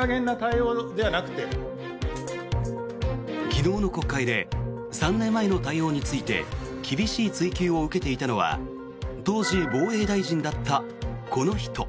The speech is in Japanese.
昨日の国会で３年前の対応について厳しい追及を受けていたのは当時、防衛大臣だったこの人。